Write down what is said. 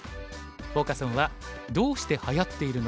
フォーカス・オンは「どうしてはやっているの！？